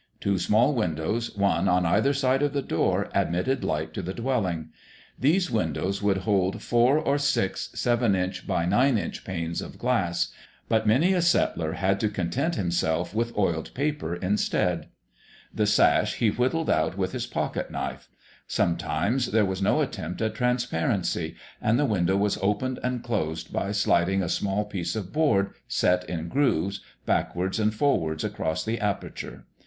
Two small windows, one on either side of the door, admitted light to the dwelling. These windows would hold four or six 7" x 9" panes of glass, but many a settler had to content himself with oiled paper instead. The sash he whittled out with his pocket knife. Sometimes there was no attempt at transparency; and the window was opened and closed by sliding a small piece of board, set in grooves, backwards and forwards across the aperture.